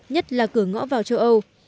nhất là cửa ngõ vào châu âu